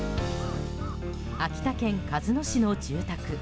秋田県鹿角市の住宅。